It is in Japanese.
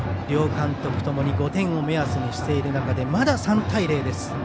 両監督ともに５点を目安にしている中でまだ３対０です。